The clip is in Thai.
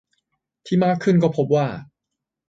ที่มากขึ้นก็พบว่า